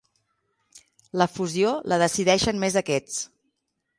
La fusió la decideixen més aquests.